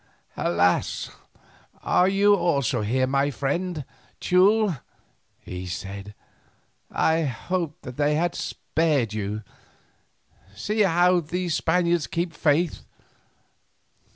"Alas! are you also here, my friend Teule?" he said; "I hoped that they had spared you. See how these Spaniards keep faith.